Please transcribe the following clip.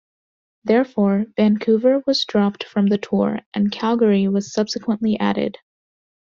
Therefore, Vancouver was dropped from the tour, and Calgary was subsequently added.